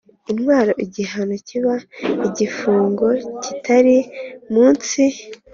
Intwaro igihano kiba igifungo kitari munsi